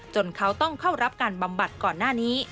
จนเขาต้องเข้ารับการบำบัดก่อนหน้านี้